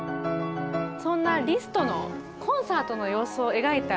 そんなリストのコンサートの様子を描いた絵があります。